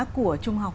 của trung học